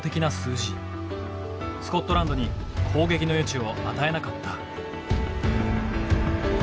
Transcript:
スコットランドに攻撃の余地を与えなかった。